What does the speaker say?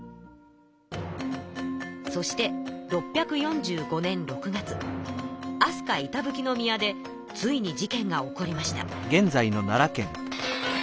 そして６４５年６月飛鳥板蓋宮でついに事件が起こりました。